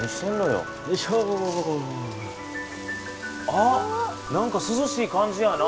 あっ何かすずしい感じやな。